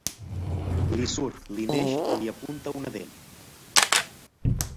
Li surt, li neix, li apunta, una dent.